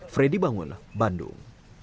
freddy bangun bandung